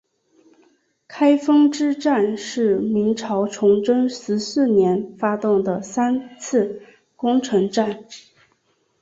开封之战是明朝崇祯十四年发动的三次攻城战。